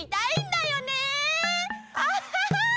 アッハッハ！